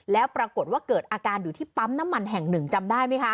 แล้วปรากฏว่าเกิดอาการอยู่ที่ปั๊มน้ำมันแห่งหนึ่งจำได้ไหมคะ